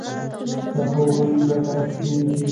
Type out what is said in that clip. د هغوی ګټه کمیږي.